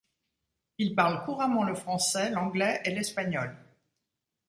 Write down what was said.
Il parle couramment le français, l'anglais et l'espagnol.